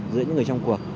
giữa những người trong cuộc